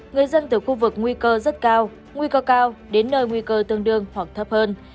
người dân từ khu vực nguy cơ rất cao nguy cơ cao đến nơi nguy cơ tương đương hoặc thấp hơn